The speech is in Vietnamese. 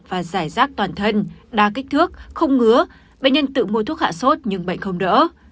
và giải rác toàn thân đa kích thước không ngứa bệnh nhân tự mua thuốc hạ sốt nhưng bệnh không đỡ